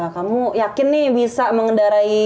kamu yakin nih bisa mengendarai